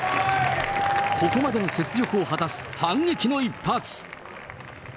ここまでの雪辱を果たす反撃の一発。